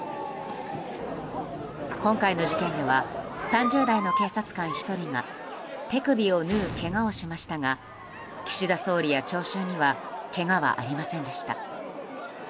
今回の事件では３０代の警察官１人が手首を縫うけがをしましたが岸田総理や聴衆にはけがはありませんでした。